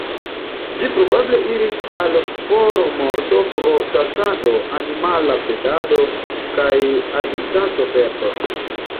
Ĝi probable iris al formorto pro ĉasado, animala predado, kaj habitatoperdo.